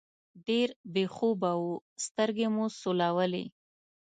ډېر بې خوبه وو، سترګې مو سولولې.